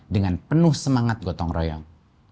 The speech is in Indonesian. dengan penuh semangat gotong royong